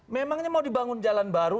memangnya mau dibangun jalan baru